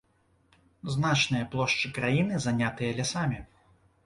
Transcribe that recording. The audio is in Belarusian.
Значныя плошчы краіны занятыя лясамі.